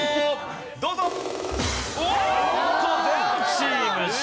どうぞ！